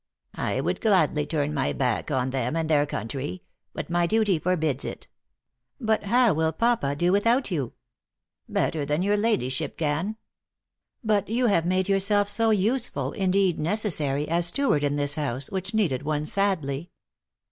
" I would gladly turn my back on them and their country ; but my duty forbids it." " But how will papa do without you ?"" Better than your ladyship can." "But you have made yourself so useful, indeed necessary, as steward in this house, which needed one sadly."